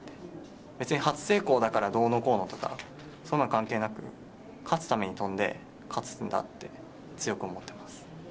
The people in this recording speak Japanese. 別に初成功だからどうのこうのとかそんなの関係なく勝つために跳んで勝つんだって強く思ってます。